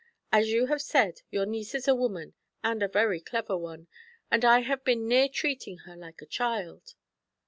As you have said, your niece is a woman, and a very clever one, and I have been near treating her like a child.'